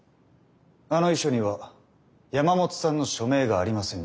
あの遺書には山本さんの署名がありませんでした。